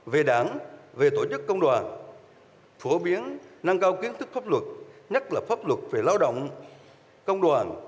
về đảng về tổ chức công đoàn phổ biến nâng cao kiến thức pháp luật nhất là pháp luật về lao động công đoàn